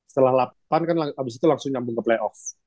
setelah lapan kan abis itu langsung nyambung ke playoff